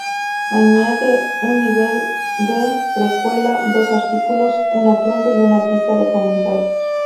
Añade un nivel de precuela, dos artículos, un atuendo y una pista de comentarios.